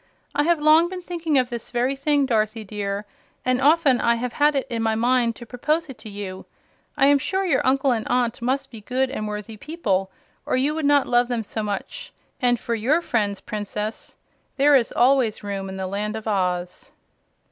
"I have long been thinking of this very thing, Dorothy dear, and often I have had it in my mind to propose it to you. I am sure your uncle and aunt must be good and worthy people, or you would not love them so much; and for YOUR friends, Princess, there is always room in the Land of Oz."